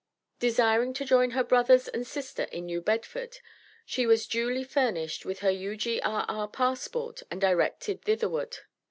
Desiring to join her brothers and sister in New Bedford, she was duly furnished with her U.G.R.R. passport and directed thitherward.